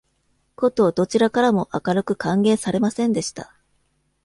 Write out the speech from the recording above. ことどちらからも温かく歓迎されませんでした。